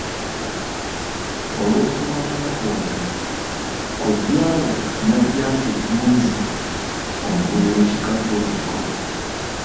Olw'obuto bwa Kabaka ono, kojjaawe Najjantyo Ggunju, omukulu w'ekika ky'obutiko.